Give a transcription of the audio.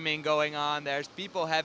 dengan teknologi baru